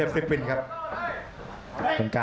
อัศวินาศาสตร์